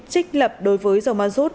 chích lập đối với dầu ma rút